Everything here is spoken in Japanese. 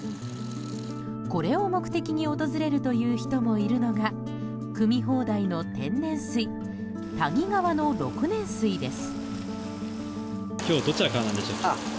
これを目的に訪れるという人もいるのがくみ放題の天然水谷川の六年水です。